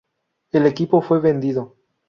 El equipo fue vendido.